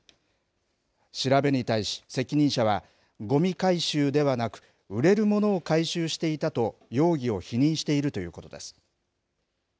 調べに対し、責任者はごみ回収ではなく売れる物を回収していたと容疑を否認しているということです。